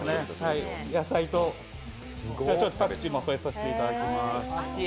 野菜とちょっとパクチーも添えさせていただきます。